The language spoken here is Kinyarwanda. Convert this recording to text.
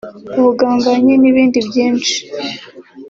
ubugambanyi n’ibindi byinshi